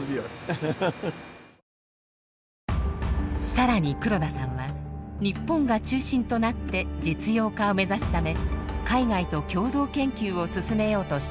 更に黒田さんは日本が中心となって実用化を目指すため海外と共同研究を進めようとしています。